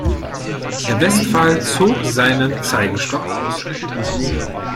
Herr Westphal zog seinen Zeigestock aus.